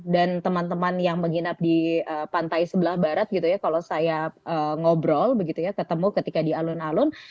dan teman teman yang menginap di pantai sebelah barat gitu ya kalau saya ngobrol begitu ya ketemu ketika di alun alun